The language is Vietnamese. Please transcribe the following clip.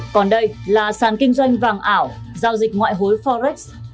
còn đây là sàn kinh doanh vàng ảo giao dịch ngoại hối forex